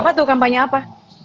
apa tuh kampanye apa